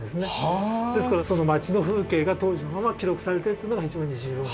ですからその街の風景が当時のまま記録されてるというのが非常に重要。